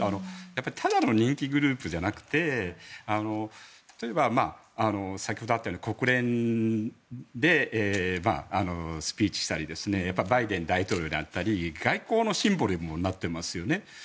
ただの人気グループじゃなくて例えば、先ほどあったように国連でスピーチしたりバイデン大統領に会ったり外交のシンボルにもなっていますよね。